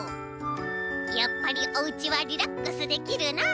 「やっぱりおうちはリラックスできるなあ」。